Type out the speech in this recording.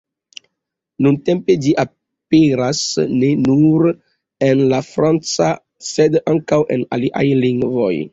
Nuntempe ĝi aperas ne nur en la franca, sed ankaŭ en aliaj lingvoj.